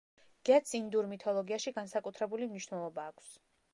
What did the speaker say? გედს ინდურ მითოლოგიაში განსაკუთრებული მნიშვნელობა აქვს.